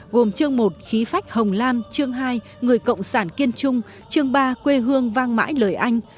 gồm chương một khí phách hồng lam chương hai người cộng sản kiên trung chương ba quê hương vang mãi lời anh